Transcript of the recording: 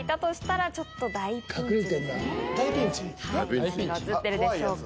何が写っているでしょうか？